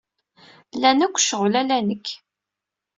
Lan akk ccɣel, ala nekk.